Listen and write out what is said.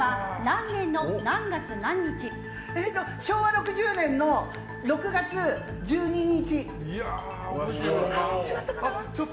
昭和６０年の６月１２日。